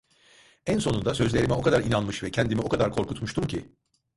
En sonunda sözlerime o kadar inanmış ve kendimi o kadar korkutmuştum ki...